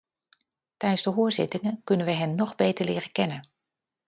Tijdens de hoorzittingen kunnen we hen nog beter leren kennen.